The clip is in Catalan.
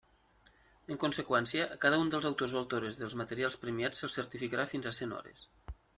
En conseqüència, a cada un dels autors o autores dels materials premiats se'ls certificarà fins a cent hores.